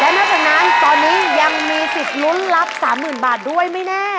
นอกจากนั้นตอนนี้ยังมีสิทธิ์ลุ้นรับ๓๐๐๐บาทด้วยไม่แน่